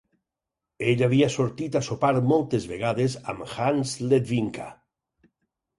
Ell havia sortit a sopar moltes vegades amb Hans Ledwinka.